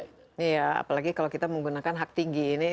iya apalagi kalau kita menggunakan hak tinggi ini